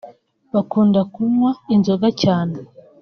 Bakunda kunywa inzoga cyane